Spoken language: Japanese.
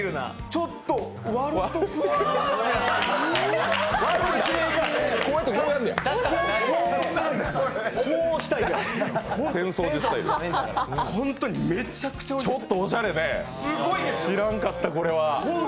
ちょっとおしゃれね、知らんかった、これは。